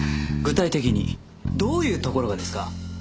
具体的にどういうところがですか？